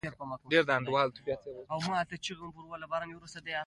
پۀ ونو د موسيقۍ اثر داسې وو